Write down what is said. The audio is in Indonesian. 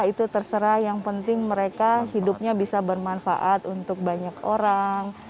itu terserah yang penting mereka hidupnya bisa bermanfaat untuk banyak orang